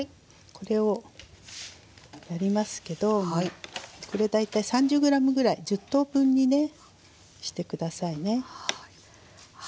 これを塗りますけどこれ大体３０ｇぐらい１０等分にねして下さいね。